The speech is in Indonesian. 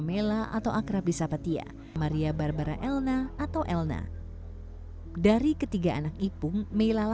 membahagiakan orang lain juga